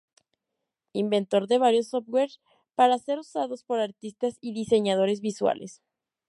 Inventor de varios softwares para ser usados por artistas y diseñadores visuales.